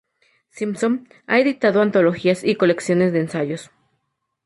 Simpson ha editado antologías y colecciones de ensayos.